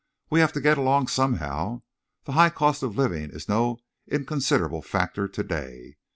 We have to get along somehow. The high cost of living is no inconsderable factor today.